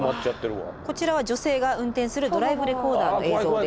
こちらは女性が運転するドライブレコーダーの映像です。